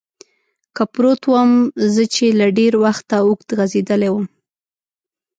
کې پروت ووم، زه چې له ډېر وخته اوږد غځېدلی ووم.